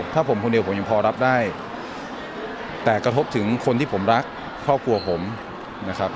ถ้าผมคนเดียวผมยังพอรับได้แต่กระทบถึงคนที่ผมรักครอบครัวผมนะครับ